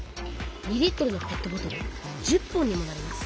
２リットルのペットボトル１０本にもなります